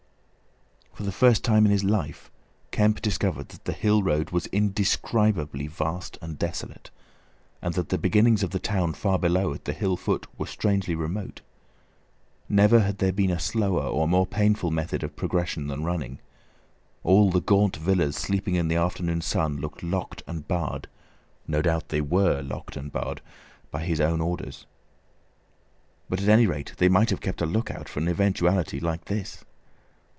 For the first time in his life Kemp discovered that the hill road was indescribably vast and desolate, and that the beginnings of the town far below at the hill foot were strangely remote. Never had there been a slower or more painful method of progression than running. All the gaunt villas, sleeping in the afternoon sun, looked locked and barred; no doubt they were locked and barred—by his own orders. But at any rate they might have kept a lookout for an eventuality like this!